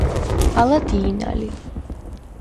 ალა დი̄ნა ლი.